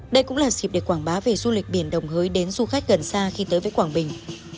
đây cũng là dịp để quảng bá về du lịch biển đồng hới đến du khách gần xa khi tới với quảng bình